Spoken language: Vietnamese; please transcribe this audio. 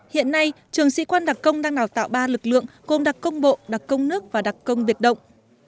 hiện nay trường sĩ quan đặc công đang đào tạo ba lực lượng gồm đặc công bộ đặc công nước và đặc công biệt động